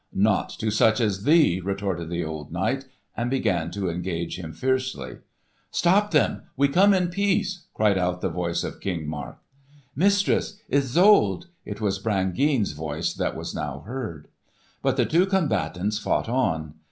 "Not to such as thee!" retorted the old knight, and began to engage him fiercely. "Stop them! We come in peace!" called out the voice of King Mark. "Mistress! Isolde!" It was Brangeane's voice that was now heard. But the two combatants fought on.